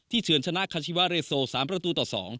เฉินชนะคาชิวาเรโซ๓ประตูต่อ๒